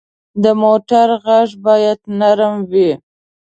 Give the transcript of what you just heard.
د موټر غږ باید نرم وي.